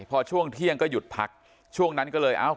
พอช่วงเที่ยงก็หยุดพักช่วงนั้นก็เลยเอ้า